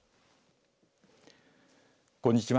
こんにちは。